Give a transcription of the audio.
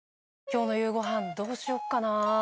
今日の夕ご飯どうしよっかなぁ？